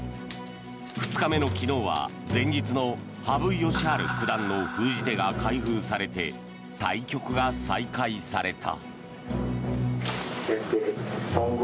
２日目の昨日は前日の羽生善治九段の封じ手が開封されて対局が再開された。